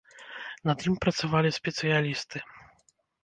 Над ім працавалі спецыялісты.